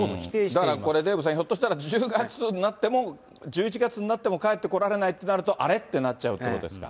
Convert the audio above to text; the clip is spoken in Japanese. だからこれ、デーブさん、ひょっとしたら１１月になっても、帰ってこられないってなると、あれ？ってなっちゃうってことです